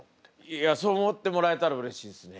いやそう思ってもらえたらうれしいですね。